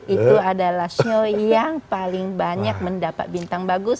itu adalah show yang paling banyak mendapat bintang bagus